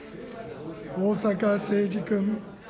逢坂誠二君。